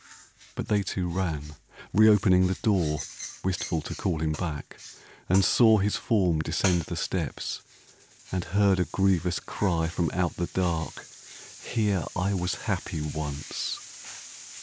But they two ran, re opening the door (Wistful to call him back) , and saw his form Descend the steps, and heard a grievous cry From out the dark: "Here I was happy once!"